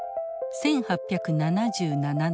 １８７７年